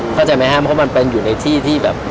เข้าใจไหมครับเพราะมันเป็นอยู่ในที่ที่แบบ